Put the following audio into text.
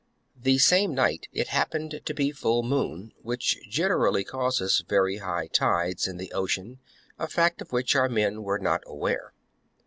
29. The same night it happened to be full Jf^e^shf?^ moon, which generally causes very high tides wrecked. in the Ocean, a fact of which our men were not aware.